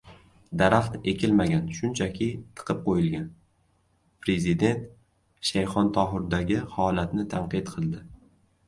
«Daraxt ekilmagan, shunchaki tiqib qo‘yilgan» — prezident Shayxontohurdagi holatni tanqid qildi